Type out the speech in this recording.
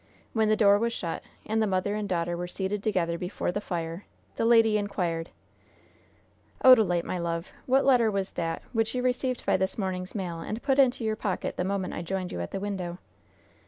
When the door was shut, and the mother and daughter were seated together before the fire, the lady inquired: "Odalite, my love, what letter was that which you received by this morning's mail, and put into your pocket the moment I joined you at the window?"